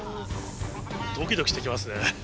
ドキドキしてきますね。